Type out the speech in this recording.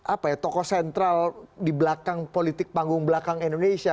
apa ya tokoh sentral di belakang politik panggung belakang indonesia